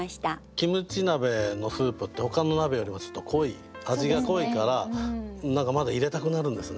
キムチ鍋のスープってほかの鍋よりもちょっと濃い味が濃いから何かまだ入れたくなるんですね。